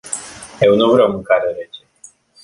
Eu nu vreau mâncare rece.